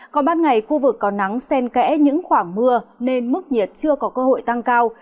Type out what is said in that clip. còn ban ngày khu vực có nắng sen kẽ những khoảng mưa nên mức nhiệt chưa có cơ hội tăng cao